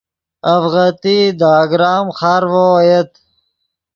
اڤغتئی دے اگرام خارڤو اویت